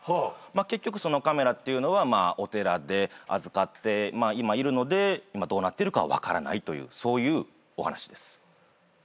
結局そのカメラっていうのはお寺で預かっているので今どうなってるかは分からないというそういうお話です。